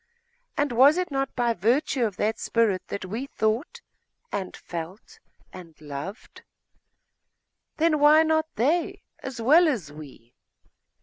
And was it not by virtue of that spirit that we thought, and felt, and loved? Then why not they, as well as we?